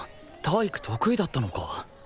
体育得意だったのか